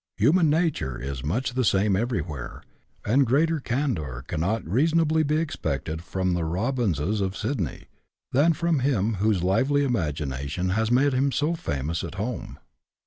Human nature is much the same everywhere, and greater candour cannot be reasonably expected from the Robinses of Sydney, than from him whose lively imagination has made him so famous at home.